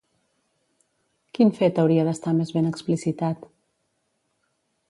Quin fet hauria d'estar més ben explicitat?